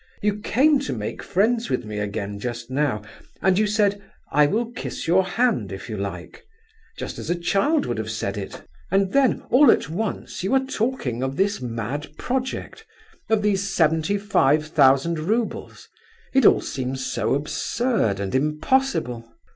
You came to make friends with me again just now, and you said, 'I will kiss your hand, if you like,' just as a child would have said it. And then, all at once you are talking of this mad project—of these seventy five thousand roubles! It all seems so absurd and impossible."